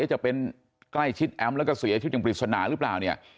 จะเป็นใกล้ชิดแอมป์แล้วก็เสียชีวิตอย่างปริศนาหรือเปล่าเนี่ย